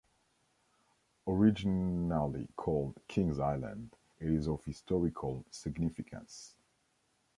Originally called King's Island, it is of historical significance.